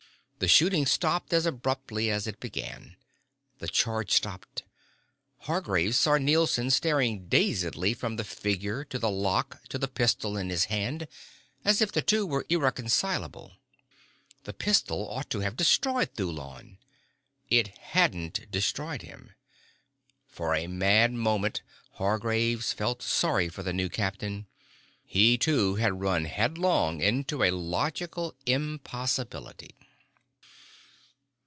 The shooting stopped as abruptly as it began. The charge stopped. Hargraves saw Nielson staring dazedly from the figure in the lock to the pistol in his hand as if the two were irreconcilable. The pistol ought to have destroyed Thulon. It hadn't destroyed him. For a mad moment, Hargraves felt sorry for the new captain. He, too, had run headlong into a logical impossibility.